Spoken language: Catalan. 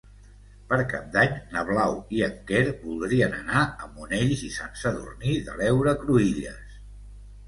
Per Cap d'Any na Blau i en Quer voldrien anar a Monells i Sant Sadurní de l'Heura Cruïlles.